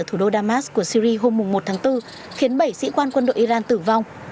thủ đô damas của syri hôm một tháng bốn khiến bảy sĩ quan quân đội iran tử vong